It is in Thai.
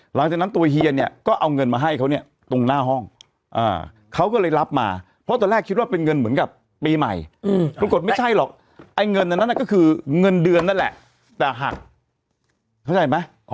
หลังจากนั้นตัวเฮียเนี่ยก็เอาเงินมาให้เขาเนี่ยตรงหน้าห้องเขาก็เลยรับมาเพราะตอนแรกคิดว่าเป็นเงินเหมือนกับปีใหม่ปรากฏไม่ใช่หรอกไอ้เงินอันนั้นก็คือเงินเดือนนั่นแหละแต่หักเข้าใจไหม